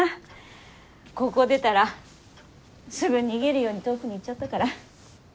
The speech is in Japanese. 高校出たらすぐ逃げるように遠くに行っちゃったから。